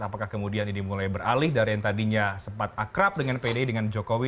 apakah kemudian ini mulai beralih dari yang tadinya sempat akrab dengan pdi dengan jokowi